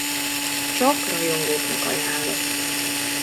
Csak rajongóknak ajánlott.